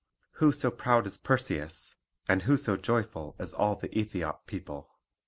Who so proud as Perseus, and who so joyful as all the AEthiop people?